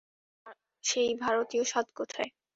তবে সেই ভারতীয় স্বাদ কোথায়?